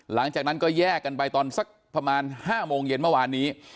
หลังจากนั้นก็แยกกันไปตอนสักประมาณ๕โมงเย็นเมื่อวานนี้